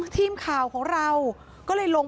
พนักงานในร้าน